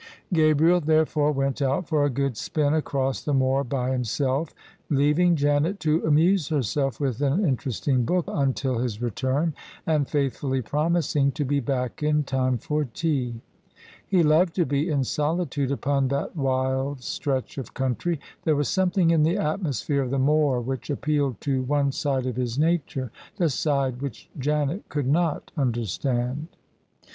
Gabriel therefore went out for a good spin across the moor by himself, leaving Janet to amuse herself with an interesting book until his return, and faithfully promising to be back in time for tea. He loved to be in solitude upon that wild stretch of country: there was something in the atmosphere of the moor whicji appealed to one side of his nature — the side which Janet could not understand.